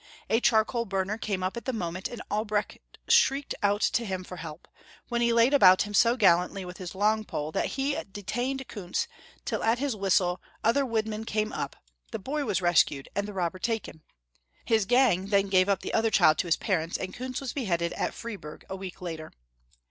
A charcoal burner came up at the moment, and Albrecht shrieked out to him for help, when he laid about liim so gallantly with his long pole, that he detained Kunz tiU at his whistle other woodmen came up, the boy was rescued, and 268 Young Folks* History of Germany, the robber taken. His gang then gave up the other child to his parents, and Kunz was beheaded at Freiburg a week later.